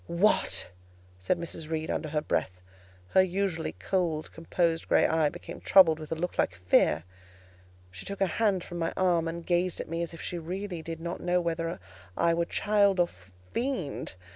"What?" said Mrs. Reed under her breath: her usually cold composed grey eye became troubled with a look like fear; she took her hand from my arm, and gazed at me as if she really did not know whether I were child or fiend.